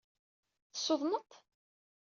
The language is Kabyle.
Tessudneḍ-t?